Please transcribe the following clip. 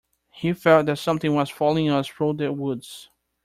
We felt that something was following us through the woods.